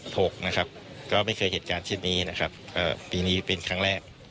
หกนะครับก็ไม่เคยเหตุการณ์เช่นนี้นะครับเอ่อปีนี้เป็นครั้งแรก